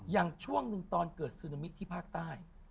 อย่างช่วงหนึ่งตอนเกิดซึนามิที่ภาคใต้